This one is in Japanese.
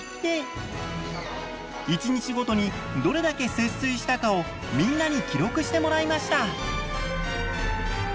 １日ごとにどれだけ節水したかをみんなに記録してもらいました。